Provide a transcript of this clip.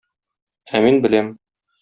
Ә мин беләм.